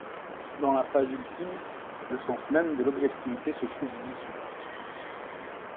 Dans la phase ultime, le sens même de l'objectivité se trouve dissout.